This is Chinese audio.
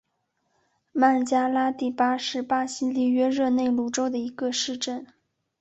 曼加拉蒂巴是巴西里约热内卢州的一个市镇。